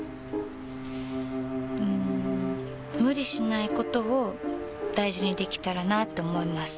うん無理しないことを大事にできたらなって思います。